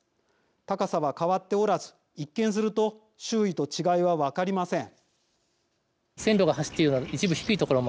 高さは変わっておらず一見すると周囲と違いは分かりません。